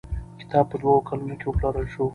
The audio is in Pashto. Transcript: کتاب په دوو کلونو کې وپلورل شو.